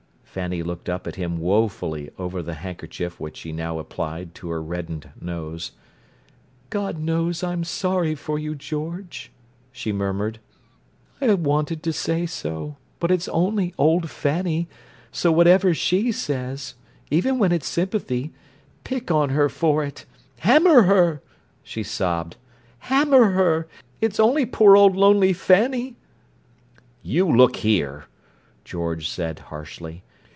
Fanny looked up at him woefully over the handkerchief which she now applied to her reddened nose. "God knows I'm sorry for you, George," she murmured. "I wanted to say so, but it's only old Fanny, so whatever she says—even when it's sympathy—pick on her for it! Hammer her!" She sobbed. "Hammer her! It's only poor old lonely Fanny!" "You look here!" George said harshly.